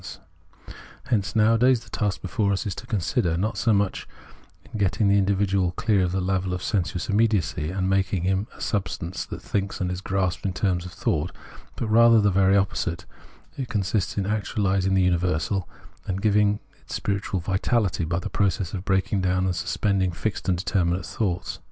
32 Phenomenology of Mind 'Hence nowadays the task before us consists not so mucli in getting the individual clear of the level of sensuous immediacy, and making him a substance that thinks and is grasped in terms of thought, but rather the very opposite : it consists in actuahsing the uni versal, and giving it spiritual vitality, by the process of breaking down and superseding fixed and determinate thoughts.